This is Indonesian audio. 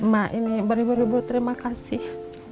mak ini beri beri terima kasih